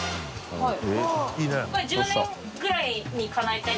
はい。